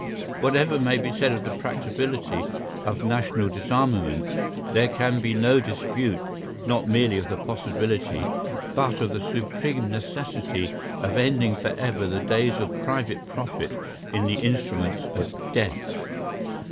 Whatever may be said of the practicability of national disarmament, there can be no dispute not merely of the possibility but of the supreme necessity of ending for ever the days of private profit in the instruments of death.